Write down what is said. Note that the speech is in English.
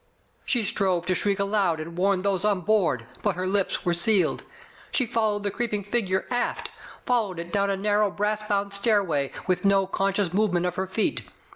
She strove to shriek aloud and warn those on board, but her lips were sealed. She followed the creeping figure aft. Followed it down a narrow brass bound stairway, with no conscious movement of her feet.